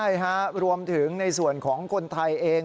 ใช่ฮะรวมถึงในส่วนของคนไทยเอง